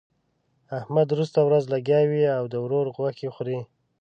احمد درسته ورځ لګيا وي؛ د ورور غوښې خوري.